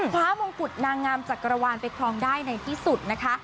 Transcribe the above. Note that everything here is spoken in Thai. มงกุฎนางงามจักรวาลไปครองได้ในที่สุดนะคะ